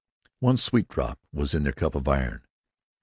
One sweet drop was in their cup of iron.